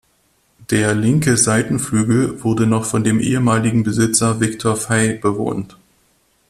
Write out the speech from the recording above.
Der linke Seitenflügel wurde noch von dem ehemaligen Besitzer Viktor Fey bewohnt.